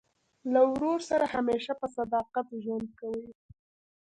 له ورور سره همېشه په صداقت ژوند کوئ!